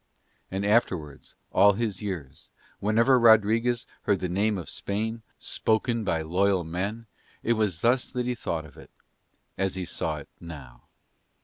And afterwards, all his years, whenever Rodriguez heard the name of Spain, spoken by loyal men, it was thus that he thought of it, as he saw it now.